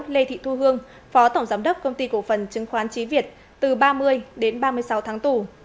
lê thị thu hương phó tổng giám đốc công ty cổ phần chứng khoán trí việt từ ba mươi đến ba mươi sáu tháng tù